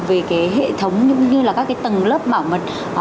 về cái hệ thống cũng như là các cái tầng lớp bảo mật